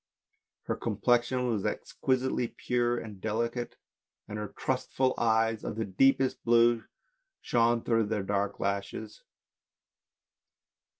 Her complexion was exquisitely pure and delicate, and her trustful eyes of the deepest blue shone through their dark lashes.